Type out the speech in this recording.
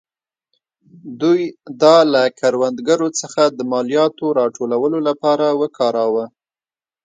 دوی دا له کروندګرو څخه د مالیاتو راټولولو لپاره وکاراوه.